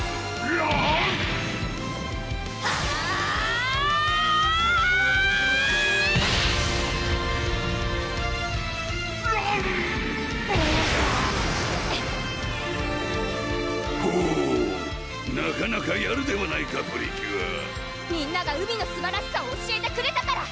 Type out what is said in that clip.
ランボーグボーグなかなかやるではないかプリキュアみんなが海のすばらしさを教えてくれたから！